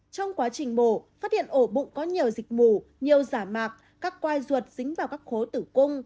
trong quá trình mổ phát hiện ổ bụng có nhiều dịch mổ nhiều giả mạc các quai ruột dính vào các khối tử cung